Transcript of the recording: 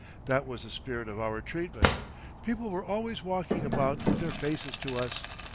That was the spirit of our treatment. People were always walking about with their faces to us.